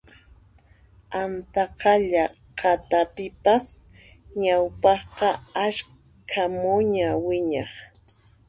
Antaqalla qhatapipas ñawpaqqa ashka muña wiñaq